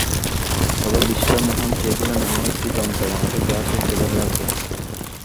তবে বিশ্বমোহন চেয়েছিলেন এমন একটি যন্ত্র বানাতে, যা সুরকে ধরে রাখবে।